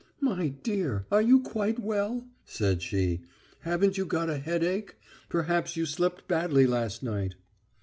"My dear, are you quite well?" said she. "Haven't you got a headache? Perhaps you slept badly last night?"